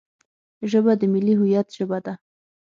ژبه د ملي هویت ژبه ده